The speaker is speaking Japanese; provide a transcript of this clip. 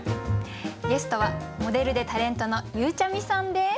ゲストはモデルでタレントのゆうちゃみさんです。